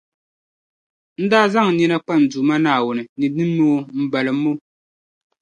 n daa zaŋ n nina kpa n Duuma Naawuni ni nimmoo m-balim’ o.